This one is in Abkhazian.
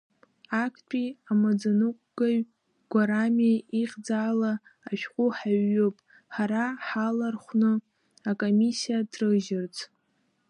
Актәи амаӡаныҟәгаҩ Гәарамиа ихьӡала ашәҟәы ҳаҩҩып, ҳара ҳалархәны, акомиссиа ҭрыжьырц.